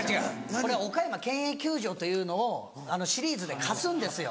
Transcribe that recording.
これは岡山県営球場というのをシリーズで貸すんですよ。